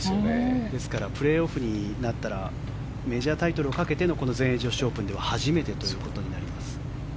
ですから、プレーオフになったらメジャータイトルをかけての全英女子オープンでは初めてということになります。